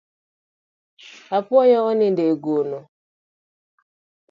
Apuoyo onindo e gono.